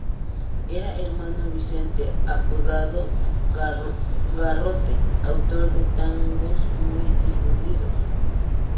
Era hermano Vicente, apodado Garrote, autor de tangos muy difundidos.